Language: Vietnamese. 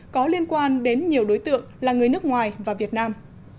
có liên quan đến nhiều đối tượng là người nước ngoài và việt nam